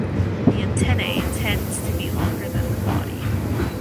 The antennae tends to be longer than the body.